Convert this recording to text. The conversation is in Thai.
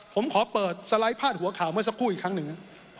ผมขอเปิดสไลด์พาดหัวข่าวเมื่อสักครู่อีกครั้งหนึ่ง